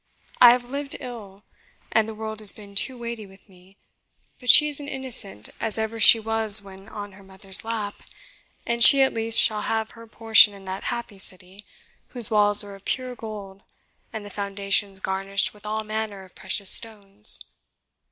I have lived ill, and the world has been too weighty with me; but she is as innocent as ever she was when on her mother's lap, and she, at least, shall have her portion in that happy City, whose walls are of pure gold, and the foundations garnished with all manner of precious stones."